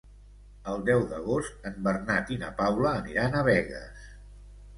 El deu d'agost en Bernat i na Paula aniran a Begues.